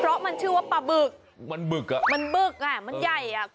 เพราะมันชื่อว่าปลาบึกมันบึกอ่ะมันบึกอ่ะมันใหญ่อ่ะ